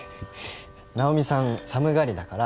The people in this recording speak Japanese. ナオミさん寒がりだから。